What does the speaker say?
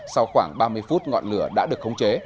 sau khoảng ba mươi phút ngọn lửa đã được khống chế